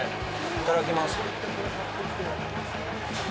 いただきます。